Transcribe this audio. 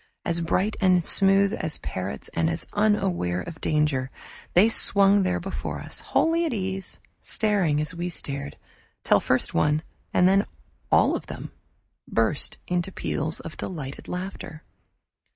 As bright and smooth as parrots and as unaware of danger, they swung there before us, wholly at ease, staring as we stared, till first one, and then all of them burst into peals of delighted laughter.